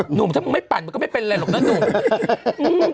หนุ่มถ้ามึงไม่ปั่นมันก็ไม่เป็นไรหรอกนะหนุ่ม